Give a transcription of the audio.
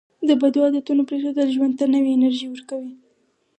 د بدو عادتونو پرېښودل ژوند ته نوې انرژي ورکوي.